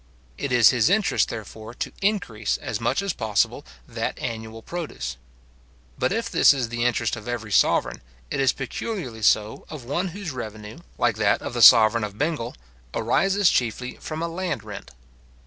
It is his interest, therefore, to increase as much as possible that annual produce. But if this is the interest of every sovereign, it is peculiarly so of one whose revenue, like that of the sovereign of Bengal, arises chiefly from a land rent.